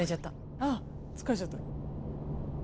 あ疲れちゃった。